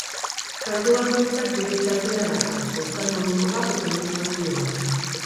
Kantu bakoitzak bere txartela dakar, postal moduko bat eta ilustrazio bat.